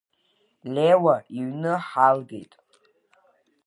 Леуа иҩны ҳалгеит.